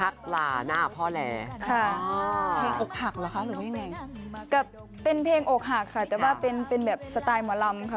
ก็เป็นเพลงโอ้คหักค่ะแต่ว่าเป็นแบบสไตล์มะลำค่ะ